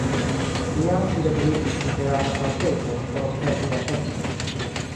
Tiam ŝi retiriĝis kun teatra salteto, por observi la efekton.